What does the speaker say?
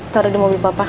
taruh di mobil papa